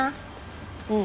うん。